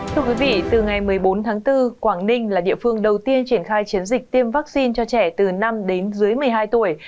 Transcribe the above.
thưa quý vị từ ngày một mươi bốn tháng bốn quảng ninh là địa phương đầu tiên triển khai chiến dịch tiêm vaccine cho trẻ từ năm đến dưới một mươi hai tuổi